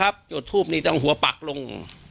การแก้เคล็ดบางอย่างแค่นั้นเอง